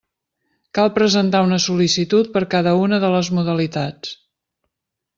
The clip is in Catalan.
Cal presentar una sol·licitud per cada una de les modalitats.